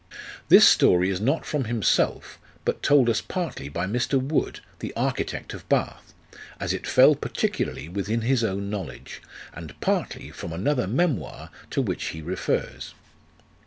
This story is not from himself, but told us partly by Mr. Wood, the architect of Bath, 1 as it fell particularly within his own knowledge, and partly from another memoir to which he refers.